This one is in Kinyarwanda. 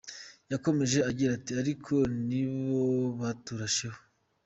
Yakomeje agira ati “Ariko ni bo baturasheho.